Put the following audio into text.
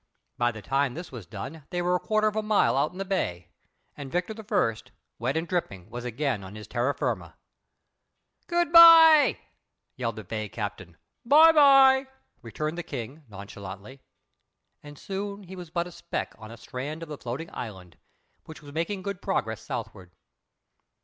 By the time this was done they were a quarter of a mile out in the bay, and Victor I., wet and dripping, was again on his terra firma. "Goodbye," yelled the bay captain. "Bye bye," returned the King, nonchalantly. And soon he was but a speck on the strand of the floating island, which was making good progress southward.